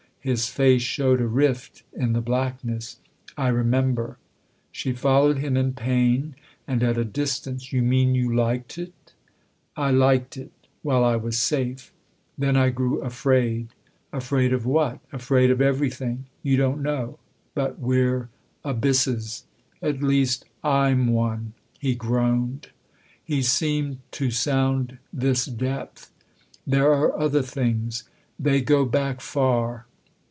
His face showed a rift in the blackness. " I remember." She followed him in pain and at a distance. " You mean you liked it ?"" I liked it while I was safe. Then I grew afraid." "Afraid of what?" "Afraid of everything. You don't know but THE OTHER HOUSE 305 we're abysses. At least /'/;/ one !" he groaned. He seemed to sound this depth. "There are other things. They go back far."